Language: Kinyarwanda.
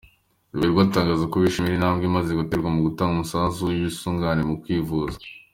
Ruberwa atangaza ko bishimira intambwe imaze guterwa mu gutanga umusanzu w’ubwisungane mu kwivuza.